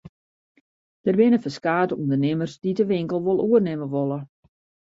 Der binne ferskate ûndernimmers dy't de winkel wol oernimme wolle.